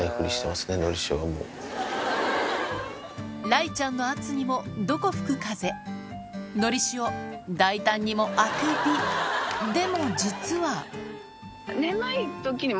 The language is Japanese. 雷ちゃんの圧にもどこ吹く風のりしお大胆にもあくびでも実は眠い時に